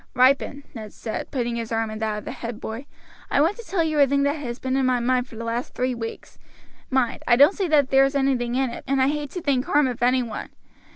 "Ripon," Ned said, putting his arm in that of the head boy, "I want to tell you a thing that has been in my mind for the last three weeks; mind, I don't say that there's anything in it, and I hate to think harm of any one.